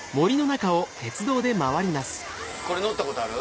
これ乗ったことある？